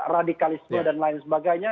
radikalisme dan lain sebagainya